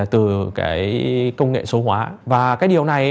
từ công nghệ số hóa